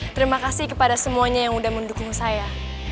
terima kasih kepada semuanya yang sudah mendukung saya